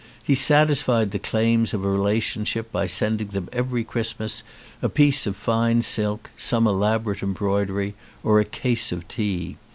He satisfied the claims of relationship by sending them every Christmas a piece of fine silk, some elaborate embroidery, or a case of tea.